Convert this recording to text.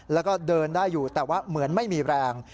แล้วก็เดินได้อยู่แต่ว่าเหมือนไม่มีแรง